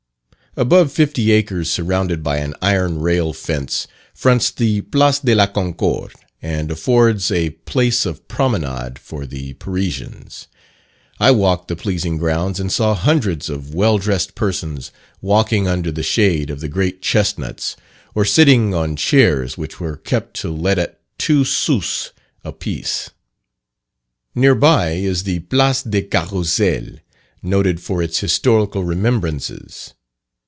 Above fifty acres surrounded by an iron rail fence, fronts the Place de la Concorde, and affords a place of promenade for the Parisians. I walked the pleasing grounds, and saw hundreds of well dressed persons walking under the shade of the great chestnuts, or sitting on chairs which were kept to let at two sous a piece. Near by is the Place de Carrousel, noted for its historical remembrances.